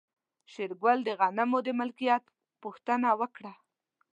شېرګل د غنمو د مالکيت پوښتنه وکړه.